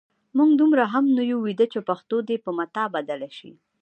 موږ دومره هم نه یو ویده چې پښتو دې په متاع بدله شي.